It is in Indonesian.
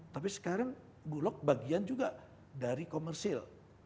tapi sekarang bulog bagian juga dari komersil